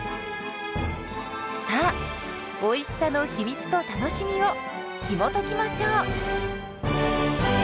さあおいしさの秘密と楽しみをひもときましょう！